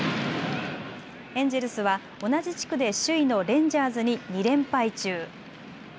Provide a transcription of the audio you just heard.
エンジェルスは同じ地区で首位のレンジャーズに２連敗中。